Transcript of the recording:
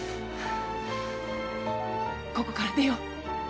ここから出よう。